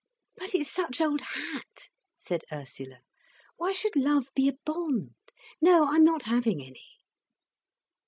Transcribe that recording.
"But it's such old hat," said Ursula. "Why should love be a bond? No, I'm not having any."